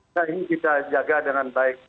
nah ini kita jaga dengan baik